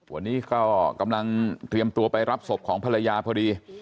วันนี้ก็กำลังเตรียมตัวไปรับศพของภรรยาพอดี